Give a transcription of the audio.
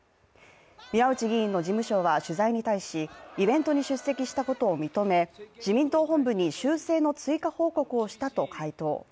宮内議員の事務所は取材に対しイベントに出席したことを認め、自民党本部に修正の追加報告をしたと回答。